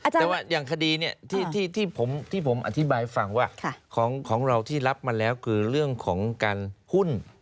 แต่ว่าอย่างคดีเนี่ยที่ผมอธิบายฟังว่าของเราที่รับมาแล้วคือเรื่องของการหุ้น